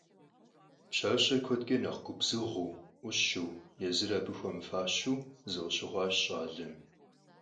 Пщащэр куэдкӀэ нэхъ губзыгъэу, Ӏущуу, езыр абы хуэмыфащэу зыкъыщыхъуащ щӀалэм.